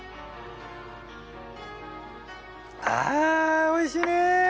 あぁおいしいね。